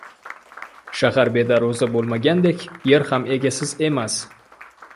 Shahar bedarvoza bo‘lmaganidek, yer ham egasiz emas!